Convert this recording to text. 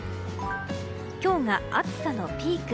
今日が暑さのピーク。